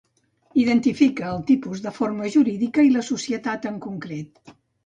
Identifica el tipus de forma jurídica i la societat en concret.